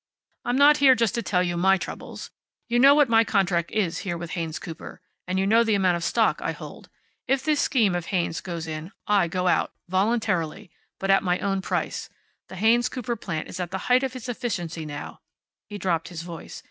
I'm not here just to tell you my troubles. You know what my contract is here with Haynes Cooper. And you know the amount of stock I hold. If this scheme of Haynes's goes in, I go out. Voluntarily. But at my own price. The Haynes Cooper plant is at the height of its efficiency now." He dropped his voice.